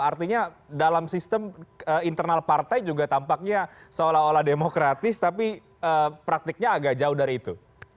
artinya dalam sistem internal partai juga tampaknya seolah olah demokratis tapi praktiknya agak jauh dari itu